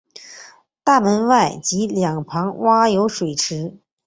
大门外及两旁挖有水池。